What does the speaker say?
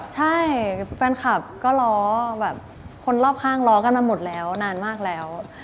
ใช่แฟนคลับก็ล้อแบบคนรอบข้างล้อกันมาหมดแล้วนานมากแล้ว